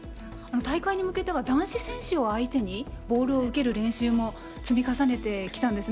大会に向けては男子選手を相手にボールを受ける練習を積み重ねてきたんですよね。